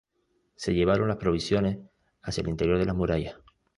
Se llevaron las provisiones hacia el interior de las murallas.